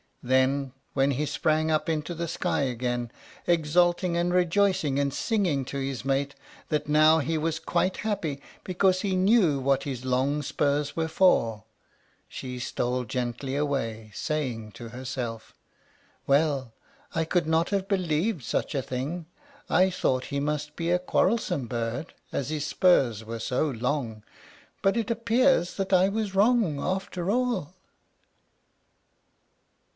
Then, when he sprang up into the sky again, exulting and rejoicing and singing to his mate that now he was quite happy, because he knew what his long spurs were for, she stole gently away, saying to herself, "Well, I could not have believed such a thing. I thought he must be a quarrelsome bird as his spurs were so long; but it appears that I was wrong, after all."